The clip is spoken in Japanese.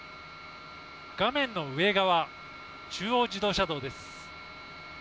画面の上側、中央自動車道です。